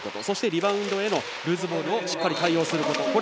そして、リバウンドへのルーズボールをしっかり対応すること。